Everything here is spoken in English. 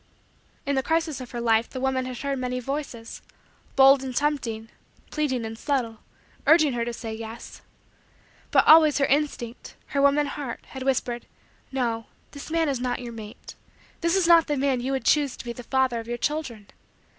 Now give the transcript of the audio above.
In the crisis of her life the woman had heard many voices bold and tempting, pleading and subtle urging her to say: "Yes." But always her instinct her woman heart had whispered: "No. This man is not your mate. This is not the man you would choose to be the father of your children.